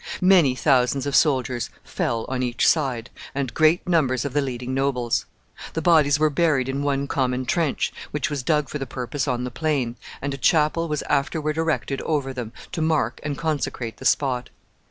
Many thousands of soldiers fell on each side, and great numbers of the leading nobles. The bodies were buried in one common trench, which was dug for the purpose on the plain, and a chapel was afterward erected over them, to mark and consecrate the spot.